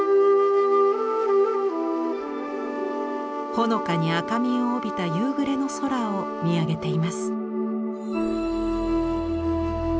ほのかに赤みを帯びた夕暮れの空を見上げています。